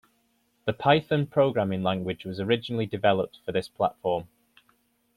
The Python programming language was originally developed for this platform.